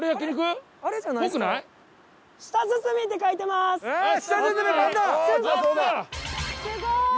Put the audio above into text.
すごい！